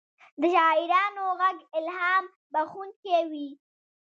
د شاعرانو ږغ الهام بښونکی وي.